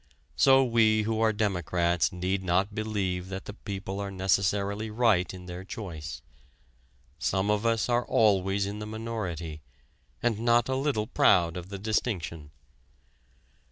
So we who are democrats need not believe that the people are necessarily right in their choice: some of us are always in the minority, and not a little proud of the distinction.